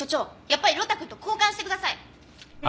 やっぱり呂太くんと交換してください。